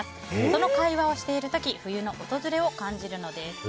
その会話をしている時冬の訪れを感じるのです。